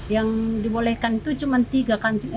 yang dibolehkan itu cuma dua kancing